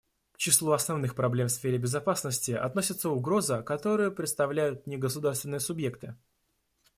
К числу основных проблем в сфере безопасности относится угроза, которую представляют негосударственные субъекты.